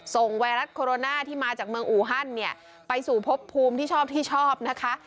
ส่งไวรัสโคโรนาที่มาจากเมืองอูฮันต์ไปสู่พบภูมิที่ชอบนะคะ